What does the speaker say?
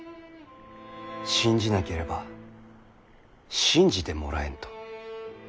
信じなければ信じてもらえんと。